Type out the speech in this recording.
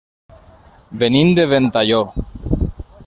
Venim de Ventalló.